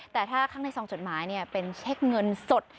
แต่ถ้าข้างในซองจดหมายเป็นเช็คเงินสด